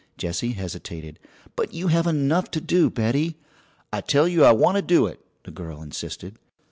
Jessie hesitated. "But you have enough to do, Betty." "I tell you I want to do it," the girl insisted.